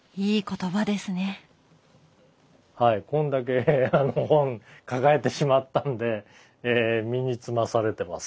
こんだけあの本抱えてしまったんで身につまされてます。